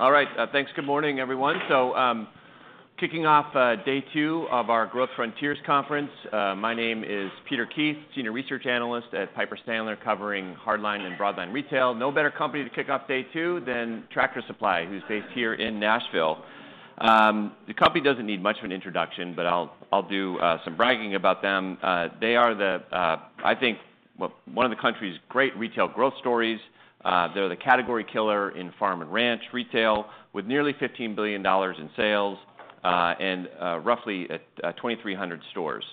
All right, thanks. Good morning, everyone. So, kicking off day two of our Growth Frontiers Conference. My name is Peter Keith, Senior Research Analyst at Piper Sandler, covering hardline and broadline retail. No better company to kick off day two than Tractor Supply, who's based here in Nashville. The company doesn't need much of an introduction, but I'll do some bragging about them. They are the, I think, well, one of the country's great retail growth stories. They're the category killer in farm and ranch retail, with nearly $15 billion in sales, and roughly 2,300 stores.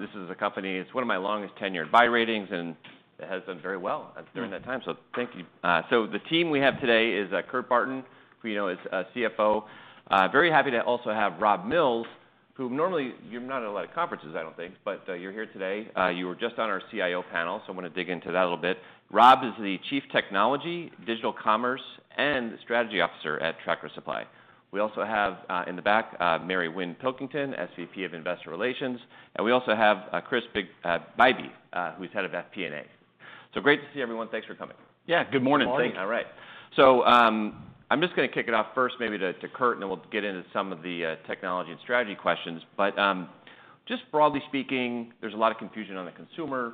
This is a company, it's one of my longest tenured buy ratings, and it has done very well during that time, so thank you. So the team we have today is Kurt Barton, who you know is CFO. Very happy to also have Rob Mills, who normally, you're not in a lot of conferences, I don't think, but you're here today. You were just on our CIO panel, so I wanna dig into that a little bit. Rob is the Chief Technology, Digital Commerce, and Strategy Officer at Tractor Supply. We also have in the back Mary Wynn Pilkington, SVP of Investor Relations, and we also have Chris Bybee, who's head of FP&A. So great to see everyone. Thanks for coming. Yeah. Good morning. Good morning. All right, so I'm just gonna kick it off first, maybe to Kurt, and then we'll get into some of the technology and strategy questions, but just broadly speaking, there's a lot of confusion on the consumer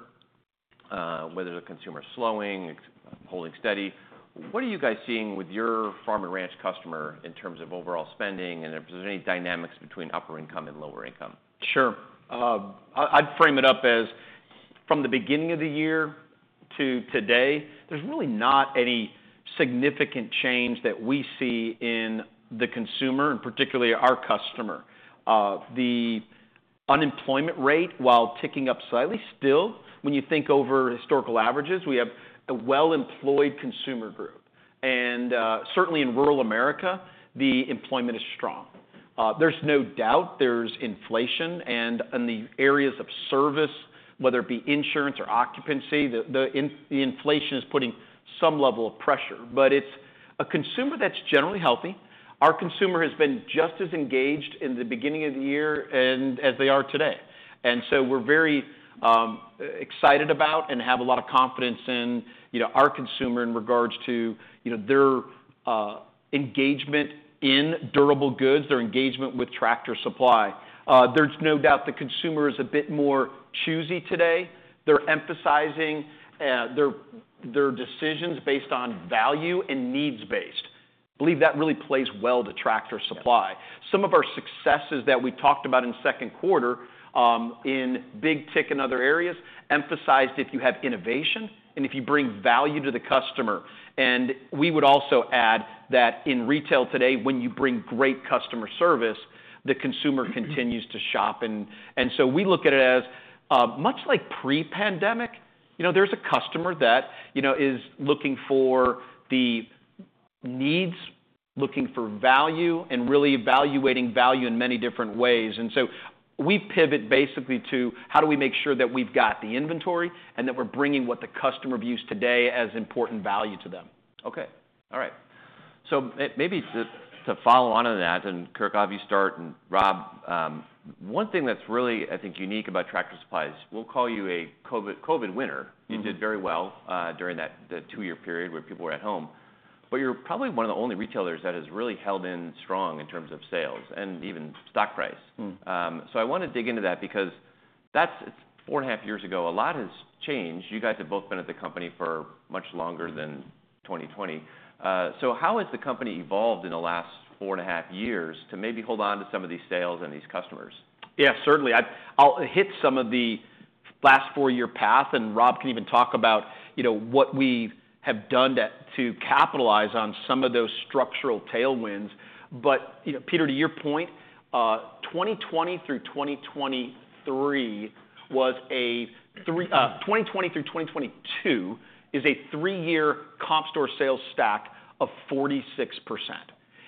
whether the consumer is slowing, holding steady. What are you guys seeing with your farm and ranch customer in terms of overall spending, and if there's any dynamics between upper income and lower income? Sure. I'd frame it up as from the beginning of the year to today, there's really not any significant change that we see in the consumer, and particularly our customer. The unemployment rate, while ticking up slightly, still, when you think over historical averages, we have a well-employed consumer group. And certainly in rural America, the employment is strong. There's no doubt there's inflation and in the areas of service, whether it be insurance or occupancy, the inflation is putting some level of pressure, but it's a consumer that's generally healthy. Our consumer has been just as engaged in the beginning of the year and as they are today. We're very excited about and have a lot of confidence in, you know, our consumer in regards to, you know, their engagement in durable goods, their engagement with Tractor Supply. There's no doubt the consumer is a bit more choosy today. They're emphasizing their decisions based on value and needs-based. Believe that really plays well to Tractor Supply. Yeah. Some of our successes that we talked about in second quarter, in big ticket in other areas, emphasized if you have innovation and if you bring value to the customer, and we would also add that in retail today, when you bring great customer service, the consumer- Mm-hmm... continues to shop. And so we look at it as much like pre-pandemic. You know, there's a customer that, you know, is looking for the needs, looking for value, and really evaluating value in many different ways. And so we pivot basically to, how do we make sure that we've got the inventory, and that we're bringing what the customer views today as important value to them? Okay. All right. So maybe to follow on that, and Kurt, obviously, you start, and Rob, one thing that's really, I think, unique about Tractor Supply is, we'll call you a COVID winner. Mm-hmm. You did very well during that, the two-year period where people were at home, but you're probably one of the only retailers that has really held in strong in terms of sales and even stock price. Mm. So, I wanna dig into that because that's four and a half years ago, a lot has changed. You guys have both been at the company for much longer than- Mm... 2020. So how has the company evolved in the last four and a half years to maybe hold on to some of these sales and these customers? Yeah, certainly. I'll hit some of the last four-year path, and Rob can even talk about, you know, what we have done that, to capitalize on some of those structural tailwinds. But, you know, Peter, to your point, 2020 through 2023 was a three, 2020 through 2022, is a three-year comp store sales stack of 46%.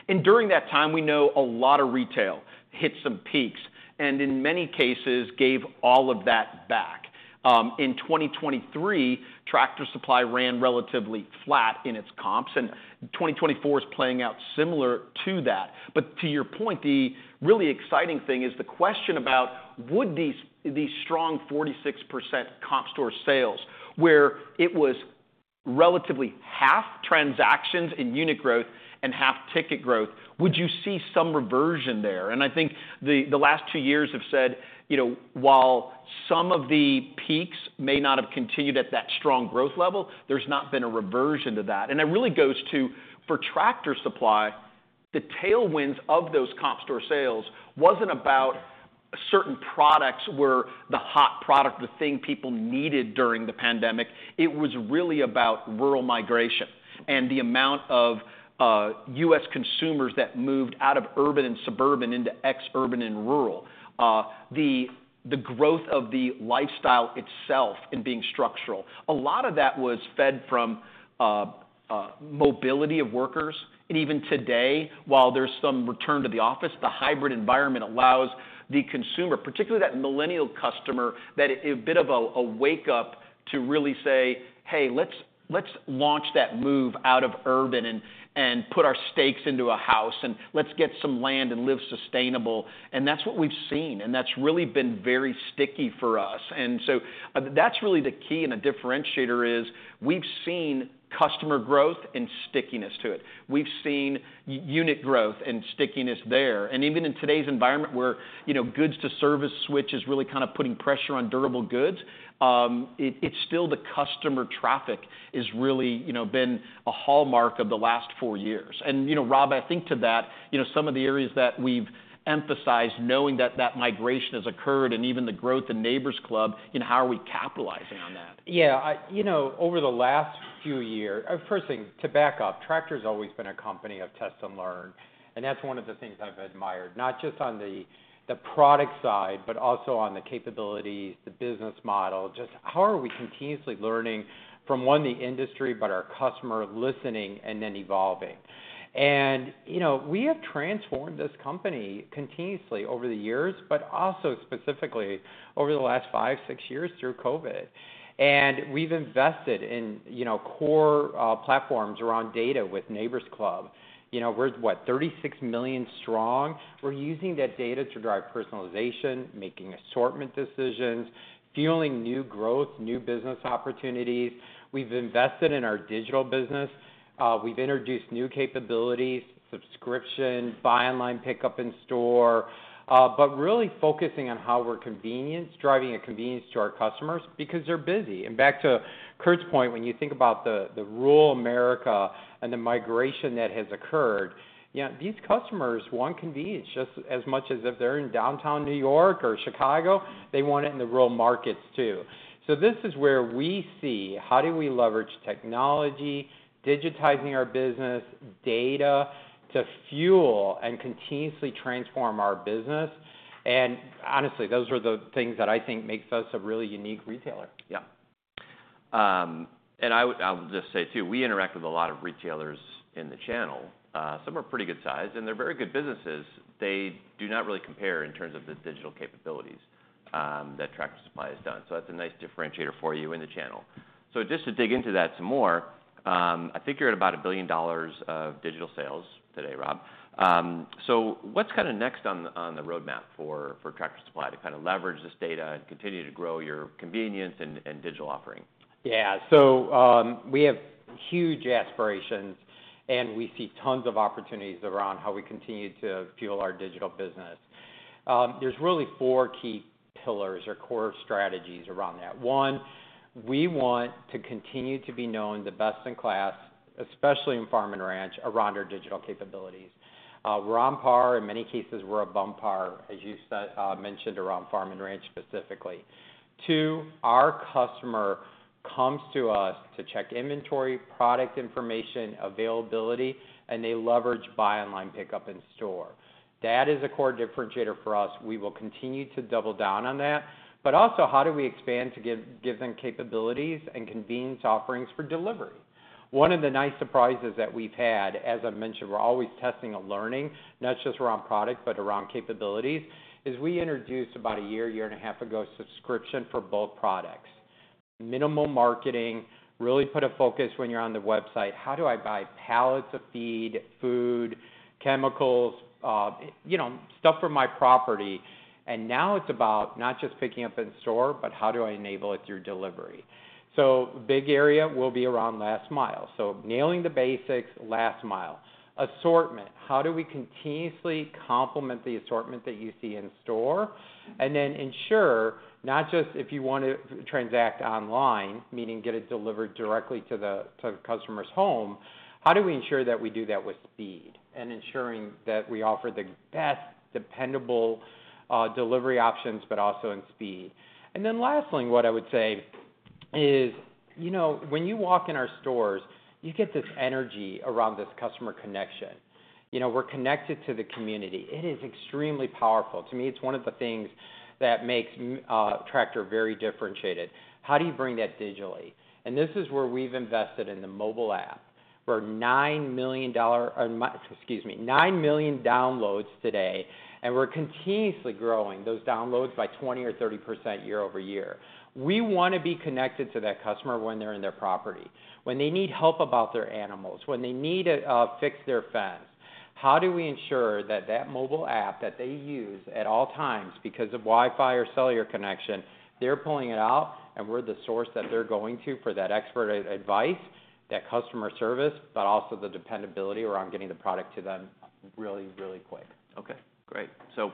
And during that time, we know a lot of retail hit some peaks, and in many cases, gave all of that back. In 2023, Tractor Supply ran relatively flat in its comps, and 2024 is playing out similar to that. But to your point, the really exciting thing is the question about, would these, these strong 46% comp store sales, where it was relatively half transactions in unit growth and half ticket growth, would you see some reversion there? And I think the last two years have said, you know, while some of the peaks may not have continued at that strong growth level, there's not been a reversion to that. And it really goes to, for Tractor Supply, the tailwinds of those comp store sales wasn't about certain products were the hot product, the thing people needed during the pandemic, it was really about rural migration and the amount of U.S. consumers that moved out of urban and suburban into ex-urban and rural. The growth of the lifestyle itself in being structural, a lot of that was fed from mobility of workers. And even today, while there's some return to the office, the hybrid environment allows the consumer, particularly that millennial customer, that a bit of a wake-up-... to really say, "Hey, let's, let's launch that move out of urban and, and put our stakes into a house, and let's get some land and live sustainable." And that's what we've seen, and that's really been very sticky for us. And so, that's really the key and the differentiator is, we've seen customer growth and stickiness to it. We've seen unit growth and stickiness there. And even in today's environment, where, you know, goods to service switch is really kind of putting pressure on durable goods, it's still the customer traffic is really, you know, been a hallmark of the last four years. And, you know, Rob, I think to that, you know, some of the areas that we've emphasized, knowing that that migration has occurred and even the growth in Neighbor's Club, and how are we capitalizing on that? Yeah, you know, over the last few years, first thing, to back up, Tractor's always been a company of test and learn, and that's one of the things I've admired, not just on the product side, but also on the capabilities, the business model. Just how are we continuously learning from, one, the industry, but our customer, listening, and then evolving? You know, we have transformed this company continuously over the years, but also specifically over the last five, six years through COVID. We've invested in, you know, core platforms around data with Neighbor's Club. You know, we're what? 36 million strong. We're using that data to drive personalization, making assortment decisions, fueling new growth, new business opportunities. We've invested in our digital business. We've introduced new capabilities, subscription, Buy Online, Pickup In Store, but really focusing on how we're convenience, driving a convenience to our customers because they're busy, and back to Kurt's point, when you think about the rural America and the migration that has occurred, you know, these customers want convenience just as much as if they're in downtown New York or Chicago. They want it in the rural markets, too, so this is where we see, how do we leverage technology, digitizing our business, data, to fuel and continuously transform our business. And honestly, those are the things that I think makes us a really unique retailer. Yeah. And I will just say, too, we interact with a lot of retailers in the channel. Some are pretty good sized, and they're very good businesses. They do not really compare in terms of the digital capabilities that Tractor Supply has done. So that's a nice differentiator for you in the channel. So just to dig into that some more, I think you're at about $1 billion of digital sales today, Rob. So what's kind of next on the roadmap for Tractor Supply to kind of leverage this data and continue to grow your convenience and digital offering? Yeah. So, we have huge aspirations, and we see tons of opportunities around how we continue to fuel our digital business. There's really four key pillars or core strategies around that. One, we want to continue to be known the best-in-class, especially in farm and ranch, around our digital capabilities. We're on par. In many cases, we're above par, as you mentioned around farm and ranch, specifically. Two, our customer comes to us to check inventory, product information, availability, and they leverage buy online, pickup in store. That is a core differentiator for us. We will continue to double down on that. But also, how do we expand to give them capabilities and convenience offerings for delivery? One of the nice surprises that we've had, as I mentioned, we're always testing and learning, not just around product, but around capabilities, is we introduced about a year, year and a half ago, subscription for both products. Minimal marketing, really put a focus when you're on the website, how do I buy pallets of feed, food, chemicals, you know, stuff for my property? And now it's about not just picking up in store, but how do I enable it through delivery? So big area will be around last mile. So nailing the basics, last mile. Assortment: How do we continuously complement the assortment that you see in store? And then ensure, not just if you want to transact online, meaning get it delivered directly to the, to the customer's home, how do we ensure that we do that with speed and ensuring that we offer the best dependable, delivery options, but also in speed? And then lastly, what I would say is, you know, when you walk in our stores, you get this energy around this customer connection. You know, we're connected to the community. It is extremely powerful. To me, it's one of the things that makes Tractor very differentiated. How do you bring that digitally? And this is where we've invested in the mobile app. We're nine million downloads today, and we're continuously growing those downloads by 20% or 30% year over year. We wanna be connected to that customer when they're in their property, when they need help about their animals, when they need to fix their fence. How do we ensure that that mobile app that they use at all times because of Wi-Fi or cellular connection, they're pulling it out, and we're the source that they're going to for that expert advice, that customer service, but also the dependability around getting the product to them really, really quick. Okay, great. So,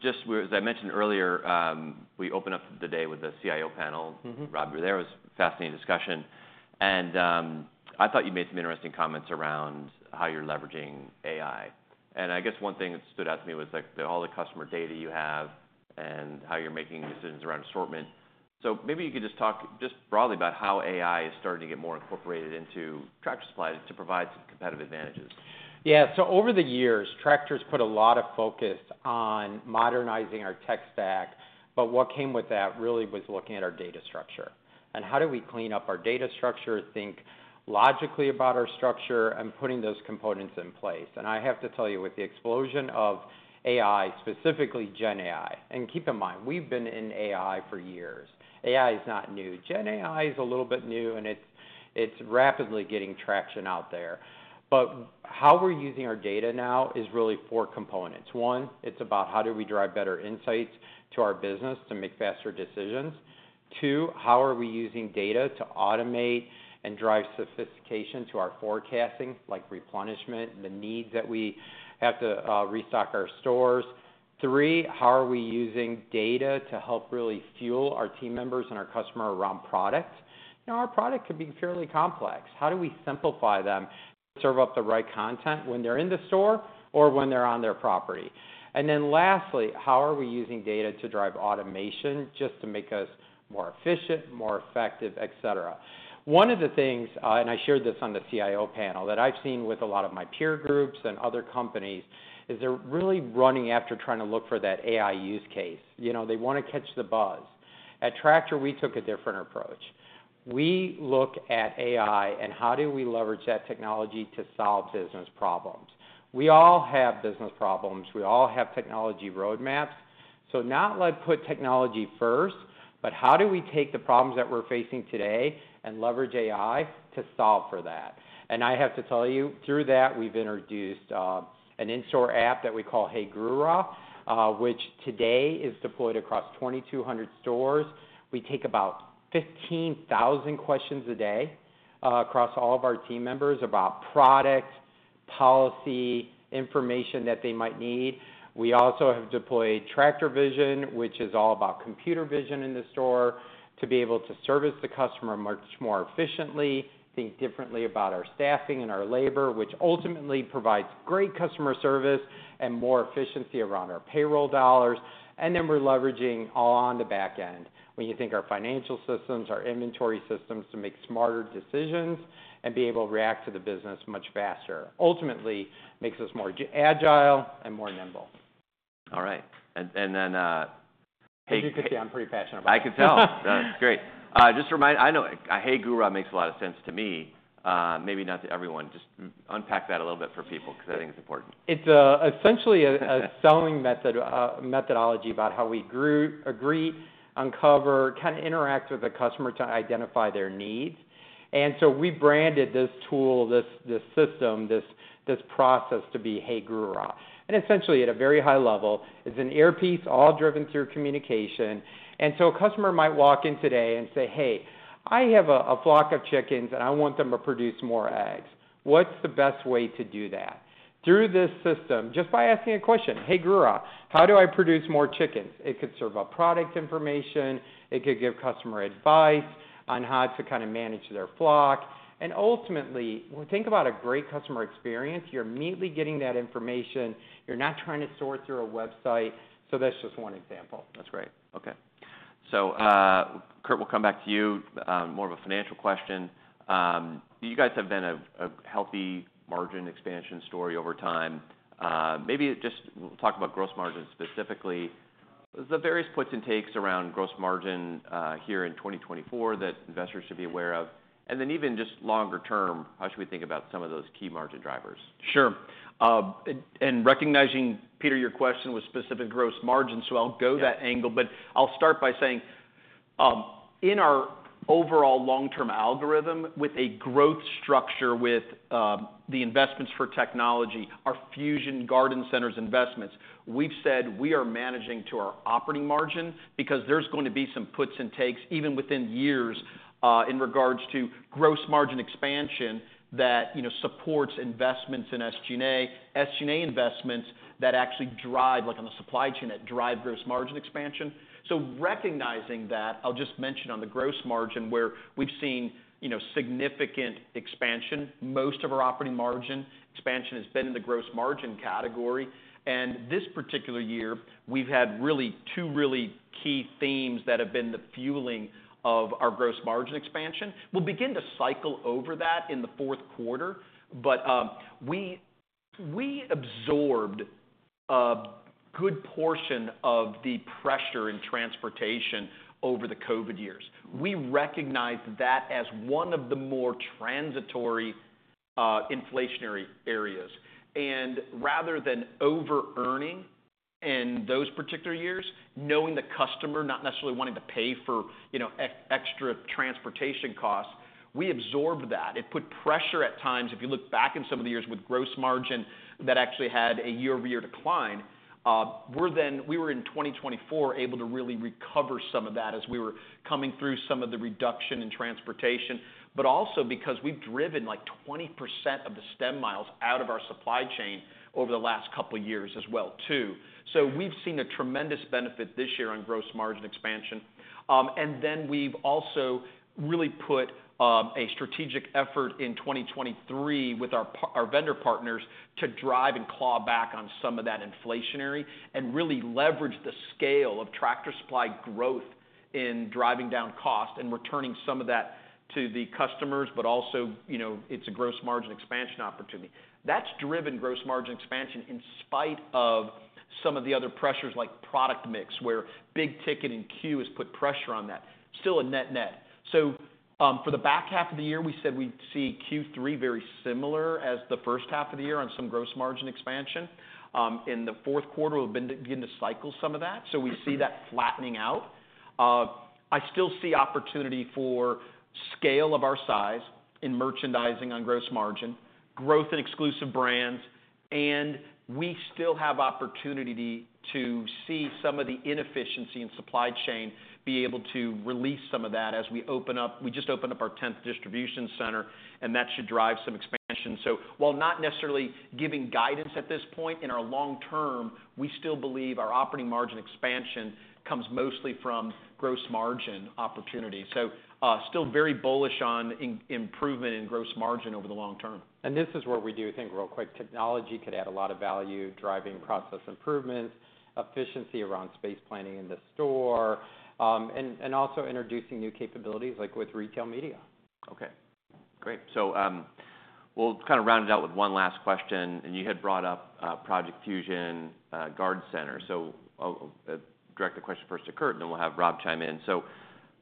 just where, as I mentioned earlier, we opened up the day with the CIO panel. Mm-hmm. Rob, you were there. It was a fascinating discussion, and, I thought you made some interesting comments around how you're leveraging AI. And I guess one thing that stood out to me was, like, all the customer data you have and how you're making decisions around assortment. So maybe you could just talk broadly about how AI is starting to get more incorporated into Tractor Supply to provide some competitive advantages. Yeah, so over the years, Tractor's put a lot of focus on modernizing our tech stack, but what came with that really was looking at our data structure, and how do we clean up our data structure, think logically about our structure, and putting those components in place? And I have to tell you, with the explosion of AI, specifically GenAI, and keep in mind, we've been in AI for years. AI is not new. GenAI is a little bit new, and it's, it's rapidly getting traction out there. But how we're using our data now is really four components. One, it's about how do we drive better insights to our business to make faster decisions? Two, how are we using data to automate and drive sophistication to our forecasting, like replenishment, the needs that we have to restock our stores? Three, how are we using data to help really fuel our team members and our customer around products? Now, our product could be fairly complex. How do we simplify them to serve up the right content when they're in the store or when they're on their property? And then lastly, how are we using data to drive automation just to make us more efficient, more effective, et cetera? One of the things, and I shared this on the CIO panel, that I've seen with a lot of my peer groups and other companies, is they're really running after trying to look for that AI use case. You know, they wanna catch the buzz. At Tractor, we took a different approach. We look at AI and how do we leverage that technology to solve business problems. We all have business problems. We all have technology roadmaps. So, not to put technology first, but how do we take the problems that we're facing today and leverage AI to solve for that? And I have to tell you, through that, we've introduced an in-store app that we call Hey Guru, which today is deployed across 2,200 stores. We take about 15,000 questions a day across all of our team members about product, policy, information that they might need. We also have deployed Tractor Vision, which is all about computer vision in the store, to be able to service the customer much more efficiently, think differently about our staffing and our labor, which ultimately provides great customer service and more efficiency around our payroll dollars. And then we're leveraging AI on the back end. When you think our financial systems, our inventory systems, to make smarter decisions and be able to react to the business much faster, ultimately makes us more agile and more nimble. All right. And then- As you can see, I'm pretty passionate about it. I can tell. No, it's great. I know, Hey Guru, makes a lot of sense to me, maybe not to everyone. Just unpack that a little bit for people because I think it's important. It's essentially a selling method, methodology about how we group, agree, uncover, kinda interact with the customer to identify their needs. And so we branded this tool, this system, this process to be Hey Guru. And essentially, at a very high level, it's an earpiece all driven through communication. And so a customer might walk in today and say, "Hey, I have a flock of chickens and I want them to produce more eggs. What's the best way to do that?" Through this system, just by asking a question, "Hey Guru, how do I produce more chickens?" It could serve up product information, it could give customer advice on how to kinda manage their flock. And ultimately, when we think about a great customer experience, you're immediately getting that information. You're not trying to sort through a website. So that's just one example. That's great. Okay. So, Kurt, we'll come back to you. More of a financial question. You guys have been a healthy margin expansion story over time. Maybe just talk about gross margin specifically. The various puts and takes around gross margin here in 2024 that investors should be aware of, and then even just longer term, how should we think about some of those key margin drivers? Sure. And recognizing, Peter, your question was specific gross margin, so I'll go- Yeah... that angle, but I'll start by saying, in our overall long-term algorithm, with a growth structure, with the investments for technology, our Fusion Garden Centers investments, we've said we are managing to our operating margin because there's going to be some puts and takes, even within years, in regards to gross margin expansion, that, you know, supports investments in SG&A. SG&A investments that actually drive, like on the supply chain, that drive gross margin expansion. So recognizing that, I'll just mention on the gross margin where we've seen, you know, significant expansion. Most of our operating margin expansion has been in the gross margin category. And this particular year, we've had really two really key themes that have been the fueling of our gross margin expansion. We'll begin to cycle over that in the fourth quarter, but we absorbed a good portion of the pressure in transportation over the COVID years. We recognized that as one of the more transitory inflationary areas. And rather than overearning in those particular years, knowing the customer not necessarily wanting to pay for, you know, extra transportation costs, we absorbed that. It put pressure at times, if you look back in some of the years with gross margin, that actually had a year-over-year decline. We were in twenty twenty-four able to really recover some of that as we were coming through some of the reduction in transportation, but also because we've driven, like, 20% of the truck miles out of our supply chain over the last couple of years as well, too. So we've seen a tremendous benefit this year on gross margin expansion. And then we've also really put a strategic effort in 2023 with our vendor partners to drive and claw back on some of that inflationary, and really leverage the scale of Tractor Supply growth in driving down cost and returning some of that to the customers, but also, you know, it's a gross margin expansion opportunity. That's driven gross margin expansion, in spite of some of the other pressures like product mix, where big ticket and C.U.E. has put pressure on that. Still a net net. So, for the back half of the year, we said we'd see Q3 very similar as the first half of the year on some gross margin expansion. In the fourth quarter, we'll begin to cycle some of that, so we see that flattening out. I still see opportunity for scale of our size in merchandising on gross margin, growth in exclusive brands... and we still have opportunity to see some of the inefficiency in supply chain, be able to release some of that as we open up. We just opened up our tenth distribution center, and that should drive some expansion. So while not necessarily giving guidance at this point, in our long term, we still believe our operating margin expansion comes mostly from gross margin opportunities. So, still very bullish on improvement in gross margin over the long term. This is where we do think, real quick, technology could add a lot of value, driving process improvements, efficiency around space planning in the store, and also introducing new capabilities, like with retail media. Okay, great. So, we'll kind of round it out with one last question. And you had brought up Project Fusion, Garden Center. So I'll direct the question first to Kurt, and then we'll have Rob chime in.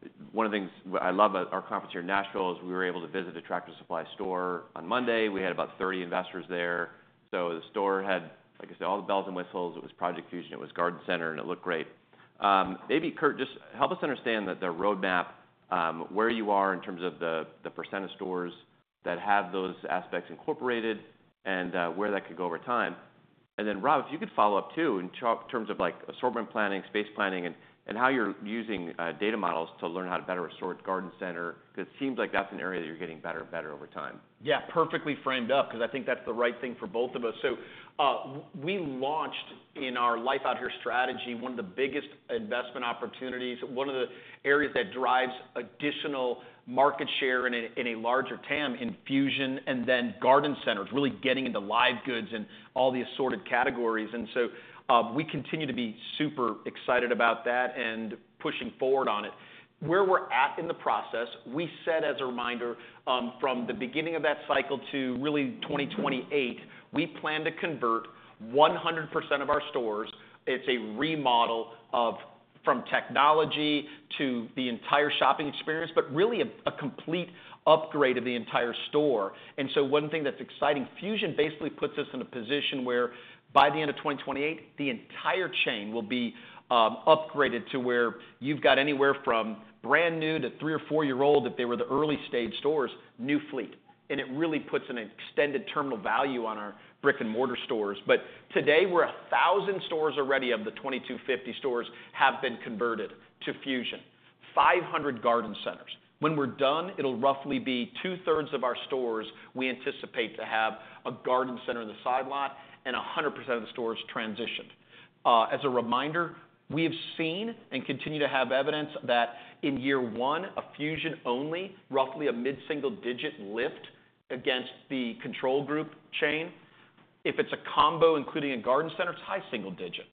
So one of the things I love about our conference here in Nashville is we were able to visit a Tractor Supply store on Monday. We had about 30 investors there. So the store had, like I said, all the bells and whistles. It was Project Fusion, it was Garden Center, and it looked great. Maybe, Kurt, just help us understand the roadmap, where you are in terms of the percent of stores that have those aspects incorporated and where that could go over time. And then, Rob, if you could follow up, too, in terms of like assortment planning, space planning, and how you're using data models to learn how to better assort Garden Center, because it seems like that's an area that you're getting better and better over time. Yeah, perfectly framed up, 'cause I think that's the right thing for both of us. So, we launched in our Life Out Here strategy, one of the biggest investment opportunities, one of the areas that drives additional market share in a larger TAM in Fusion and then Garden Centers, really getting into live goods and all the assorted categories. We continue to be super excited about that and pushing forward on it. Where we're at in the process, we said, as a reminder, from the beginning of that cycle to really 2028, we plan to convert 100% of our stores. It's a remodel from technology to the entire shopping experience, but really a complete upgrade of the entire store. And so one thing that's exciting. Fusion basically puts us in a position where by the end of 2028, the entire chain will be upgraded to where you've got anywhere from brand new to three- or four-year-old, if they were the early stage stores, new fleet. And it really puts an extended terminal value on our brick-and-mortar stores. But today, we're at 1,000 stores already of the 2,250 stores have been converted to Fusion, 500 Garden Centers. When we're done, it'll roughly be two-thirds of our stores, we anticipate to have a Garden Center in the side lot and 100% of the stores transitioned. As a reminder, we have seen and continue to have evidence that in year one, Fusion-only, roughly a mid-single-digit lift against the control group chain. If it's a combo, including a Garden Center, it's high single digit.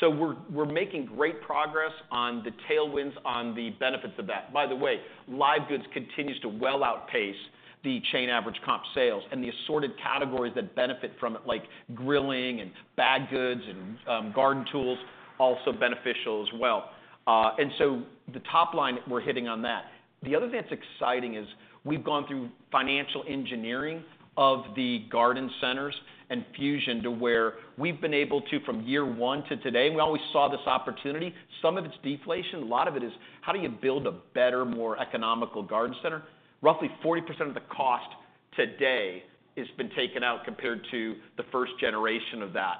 So we're making great progress on the tailwinds, on the benefits of that. By the way, live goods continues to well outpace the chain average comp sales and the assorted categories that benefit from it, like grilling and bagged goods and garden tools, also beneficial as well. And so the top line, we're hitting on that. The other thing that's exciting is we've gone through financial engineering of the Garden Centers and Fusion to where we've been able to, from year one to today, we always saw this opportunity. Some of it's deflation, a lot of it is: How do you build a better, more economical Garden Center? Roughly 40% of the cost today has been taken out compared to the first generation of that.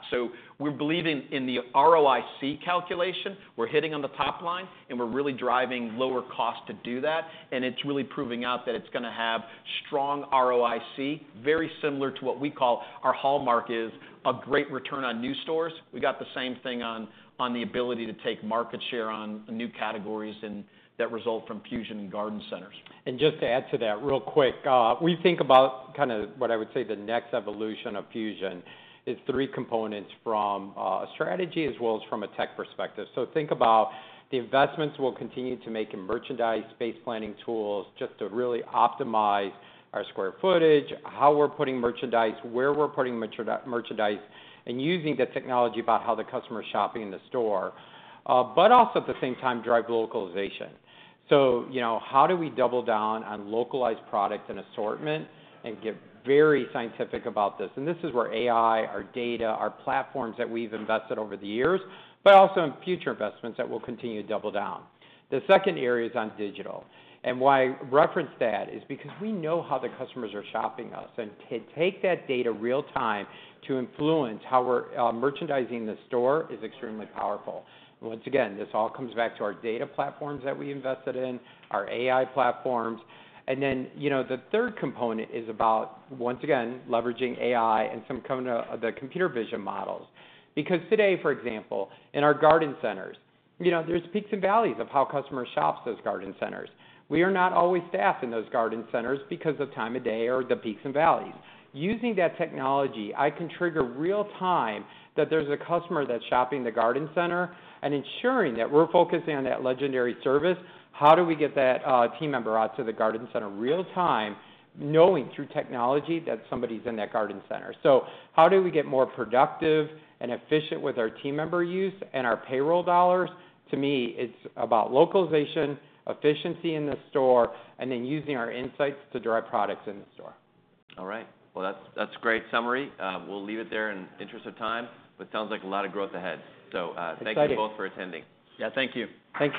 We're believing in the ROIC calculation, we're hitting on the top line, and we're really driving lower cost to do that. It's really proving out that it's gonna have strong ROIC, very similar to what we call our hallmark is a great return on new stores. We got the same thing on the ability to take market share on new categories and that result from Fusion and Garden Centers. Just to add to that, real quick, we think about kind of what I would say, the next evolution of Fusion is three components from strategy as well as from a tech perspective. Think about the investments we'll continue to make in merchandise, space planning tools, just to really optimize our square footage, how we're putting merchandise, where we're putting merchandise, and using the technology about how the customer is shopping in the store, but also, at the same time, drive localization. You know, how do we double down on localized product and assortment and get very scientific about this? This is where AI, our data, our platforms that we've invested over the years, but also in future investments that we'll continue to double down. The second area is on digital, and why I reference that is because we know how the customers are shopping us, and to take that data real time to influence how we're merchandising the store is extremely powerful. Once again, this all comes back to our data platforms that we invested in, our AI platforms. And then, you know, the third component is about, once again, leveraging AI and some kind of the computer vision models. Because today, for example, in our Garden Centers, you know, there's peaks and valleys of how customers shops those Garden Centers. We are not always staffed in those Garden Centers because of time of day or the peaks and valleys. Using that technology, I can trigger real time that there's a customer that's shopping the Garden Center and ensuring that we're focusing on that legendary service. How do we get that, team member out to the Garden Center real time, knowing through technology that somebody's in that Garden Center? So how do we get more productive and efficient with our team member use and our payroll dollars? To me, it's about localization, efficiency in the store, and then using our insights to drive products in the store. All right. Well, that's a great summary. We'll leave it there in interest of time, but sounds like a lot of growth ahead. So, Exciting. Thank you both for attending. Yeah, thank you. Thanks, Rob.